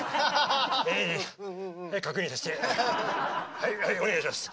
「はいはいお願いします」。